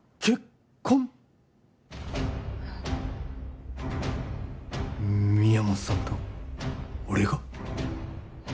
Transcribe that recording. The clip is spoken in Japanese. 宮本さんと俺が？